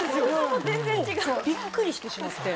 びっくりしてしまって。